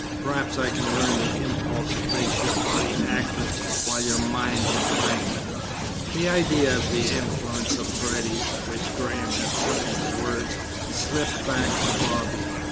Perhaps I can learn the impulse that makes your body active while your mind's a blank." The idea of the influence of Paredes, which Graham had put into words, slipped back to Bobby.